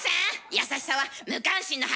優しさは無関心の始まり。